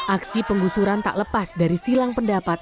aksi penggusuran tak lepas dari silang pendapat